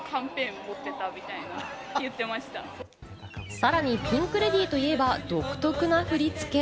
さらにピンク・レディーといえば独特な振り付け。